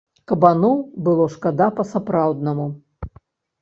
Кабаноў было шкада па-сапраўднаму.